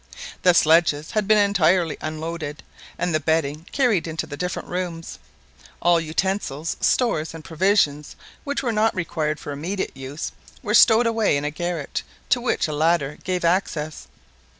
The sledges had been entirely unloaded, and the bedding carried into the different rooms. All utensils, stores, and provisions which were not required for immediate use were stowed away in a garret, to which a ladder gave access.